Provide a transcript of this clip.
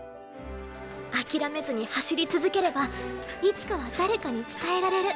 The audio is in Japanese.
諦めずに走り続ければいつかは誰かに伝えられる